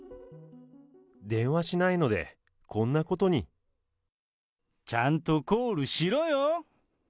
電話しないのでこんなことに。ちゃんとコールしろよ！